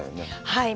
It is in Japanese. はい。